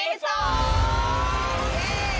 ก็นี้ตีมาย๑๙๗๘